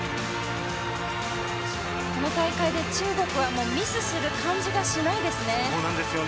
この大会で中国はミスする感じがしないですね。